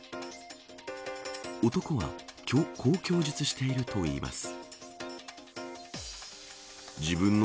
男はこう供述しているといいます。